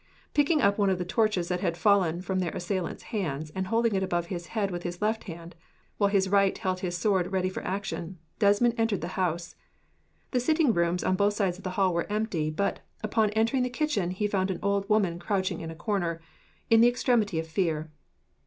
Picking up one of the torches that had fallen from their assailants' hands, and holding it above his head with his left hand, while his right held his sword ready for action, Desmond entered the house. The sitting rooms on both sides of the hall were empty, but, upon entering the kitchen, he found an old woman crouching in a corner, in the extremity of fear.